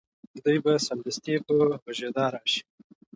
دوی به سمدستي په غږېدا راشي